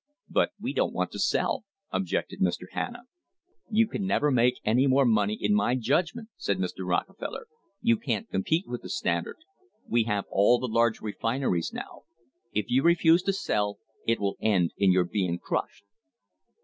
"But we don't want to sell," objected Mr. Hanna. "You can never make any more money, in my judg ment," said Mr. Rockefeller. "You can't compete with the Standard. We have all the large refineries now. If you refuse to sell, it will end in your being crushed."